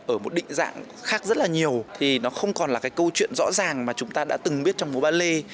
ở một định dạng khác rất là nhiều thì nó không còn là cái câu chuyện rõ ràng mà chúng ta đã từng biết trong vô ba lê